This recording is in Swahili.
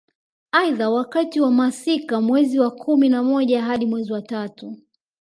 Aidha wakati wa masika mwezi wa kumi na moja hadi mwezi wa tatu